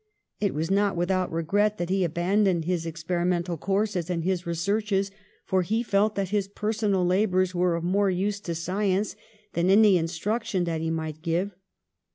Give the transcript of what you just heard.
It was not without regret that he abandoned his ex perimental courses and his researches, for he felt that his personal labours were of more use to science than any instruction that he might give.